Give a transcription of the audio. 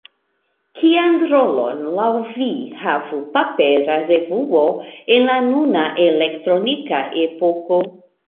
Kian rolon laŭ vi havu papera revuo en la nuna elektronika epoko?